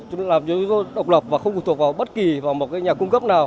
chúng tôi làm cho chúng tôi độc lập và không phụ thuộc vào bất kỳ nhà cung cấp nào